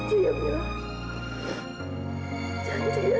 kamu harus sabar ya